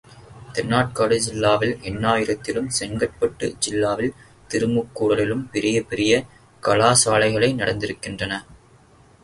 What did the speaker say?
தென்னாற்காடு ஜில்லாவில் எண்ணாயிரத்திலும் செங்கற்பட்டு ஜில்லாவில் திருமுக் கூடலிலும் பெரிய பெரிய கலாசாலைகளே நடத்திருக்கின்றன.